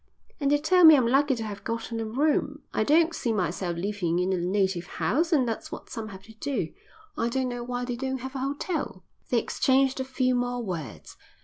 "And they tell me I'm lucky to have gotten a room. I don't see myself livin' in a native house, and that's what some have to do. I don't know why they don't have a hotel." They exchanged a few more words.